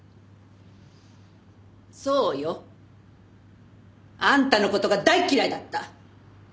そうよ。あんたの事が大嫌いだった。